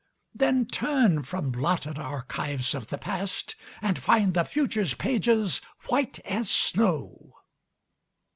Then turn from blotted archives of the past, And find the future's pages white as snow.